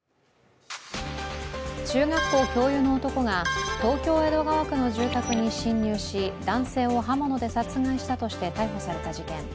中学校教諭の男が東京・江戸川区の住宅に侵入し、男性を刃物で殺害したとして逮捕された事件。